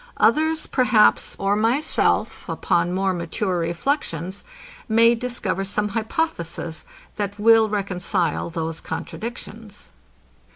Others, perhaps, or myself, upon more mature reflections, may discover some hypothesis, that will reconcile those contradictions.